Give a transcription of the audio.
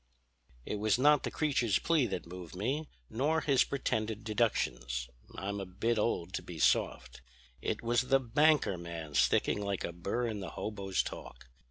"It was not the creature's plea that moved me, nor his pretended deductions; I'm a bit old to be soft. It was the 'banker man' sticking like a bur in the hobo's talk.